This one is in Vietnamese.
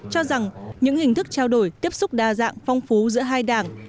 cho rằng những hình thức trao đổi tiếp xúc đa dạng phong phú giữa hai đảng